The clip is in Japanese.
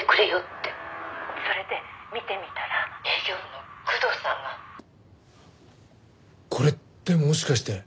「それで見てみたら営業部の工藤さんが」これってもしかして。